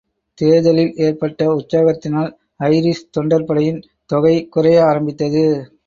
தேர்தலில் ஏற்பட்ட உற்சாகத்தினால் ஐரிஷ் தொண்டர்படையின் தொகை குறைய ஆரம்பித்தது.